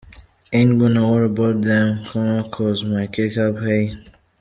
Ain't gotta worry 'bout 'em commas 'cause my cake up, hey.